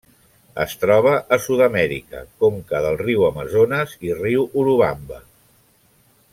Es troba a Sud-amèrica: conca del riu Amazones i riu Urubamba.